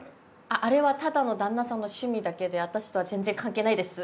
あれはただの旦那さんの趣味だけで私とは全然関係ないです。